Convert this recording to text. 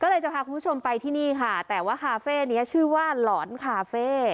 ก็เลยจะพาคุณผู้ชมไปที่นี่ค่ะแต่ว่าคาเฟ่นี้ชื่อว่าหลอนคาเฟ่